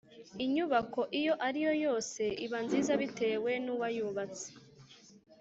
inyubako iyo ari yo yose ibanziza bitewe nuwa yubatse